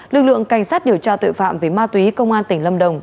lực lượng cảnh sát điều tra tội phạm về ma túy công an tỉnh lâm đồng